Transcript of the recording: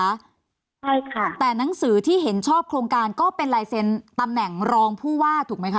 ใช่ค่ะแต่หนังสือที่เห็นชอบโครงการก็เป็นลายเซ็นต์ตำแหน่งรองผู้ว่าถูกไหมคะ